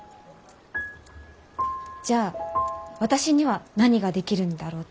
じゃあ私には何ができるんだろうって。